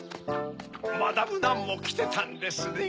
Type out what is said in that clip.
マダム・ナンもきてたんですね。